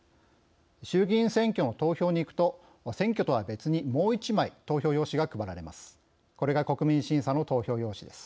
衆議院選挙の投票に行くと選挙とは別にもう１枚、投票用紙が配られます。